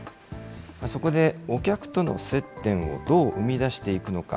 そこで、お客との接点をどう生み出していくのか。